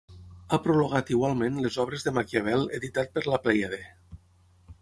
Ha prologat igualment les Obres de Maquiavel editat per La Plèiade.